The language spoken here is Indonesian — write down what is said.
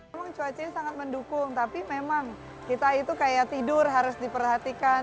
memang cuacanya sangat mendukung tapi memang kita itu kayak tidur harus diperhatikan